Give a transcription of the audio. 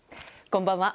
こんばんは。